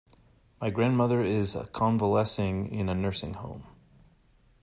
My grandmother is convalescing in a nursing home.